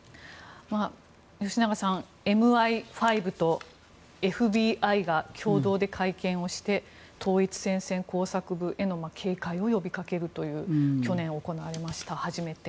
吉永さん、ＭＩ５とＦＢＩが共同で会見をして統一戦線工作部への警戒を呼びかけるという去年、初めて行われました。